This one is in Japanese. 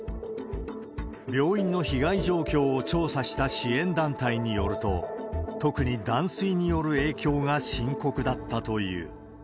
病院の被害状況を調査した支援団体によると、特に断水による影響が深刻だったという。